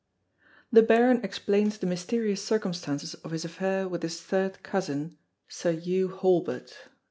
The Baron explains the mysterious circumstances of his affair with his third cousin, Sir Hew Halbert.